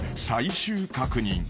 最終確認］